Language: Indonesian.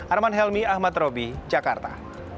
arman helmi ahmad roby jakarta